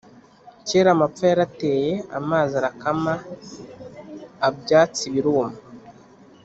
Kera amapfa yarateye, amazi arakama abyatsi biruma